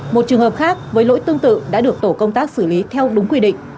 một trường hợp khác với lỗi tương tự đã được tổ công tác xử lý theo đúng quy định